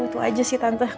itu aja sih tante